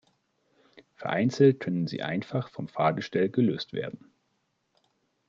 Vereinzelt können sie einfach vom Fahrgestell gelöst werden.